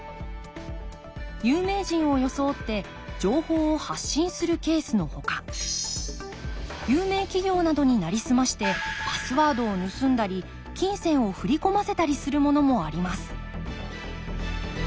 有名人を装って情報を発信するケースのほか有名企業などになりすましてパスワードを盗んだり金銭を振り込ませたりするものもあります